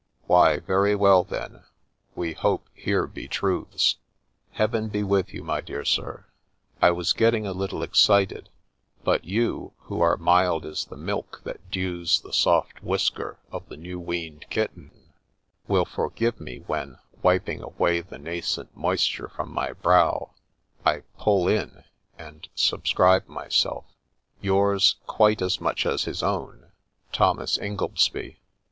'' Why, very well then — we hope here be truths !' Heaven be with you, my dear Sir !— I was getting a little excited ; but you, who are mild as the milk that dews the soft whisker of the new weaned kitten, will forgive me when, wiping away the nascent moisture from my brow, I ' pull in,' and subscribe myself, Yours quite as much as his own, THOMAS INGOLDSBY.